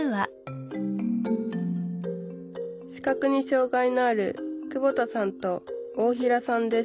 視覚に障害のある久保田さんと大平さんです